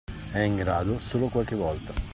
È in grado solo qualche volta.